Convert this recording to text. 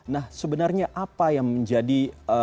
nah sebenarnya apa yang menjadi